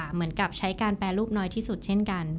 เหมือนกับใช้การแปรรูปน้อยที่สุดเช่นกัน